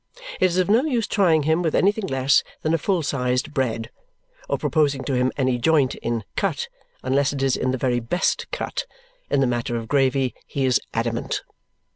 It is of no use trying him with anything less than a full sized "bread" or proposing to him any joint in cut unless it is in the very best cut. In the matter of gravy he is adamant.